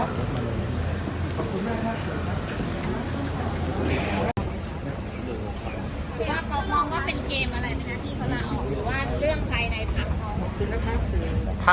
หรือว่าเรื่องใครในภาพของเขา